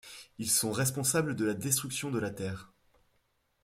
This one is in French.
Ils sont responsables de la destruction de la Terre.